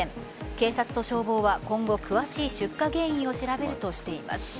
警察と消防は今後詳しい出火原因を調べるとしています。